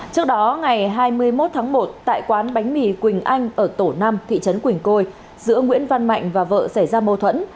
trước đó ngày hai mươi một tháng một tại quán bánh mì quỳnh anh ở tổ năm thị trấn quỳnh côi giữa nguyễn văn mạnh và vợ xảy ra mâu thuẫn